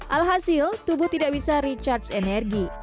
alhasil tubuh tidak bisa recharge energi